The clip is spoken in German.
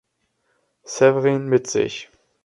Severin mit sich.